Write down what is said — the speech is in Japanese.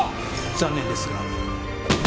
残念ですが。